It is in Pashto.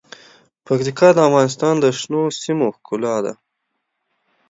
پکتیکا د افغانستان د شنو سیمو ښکلا ده.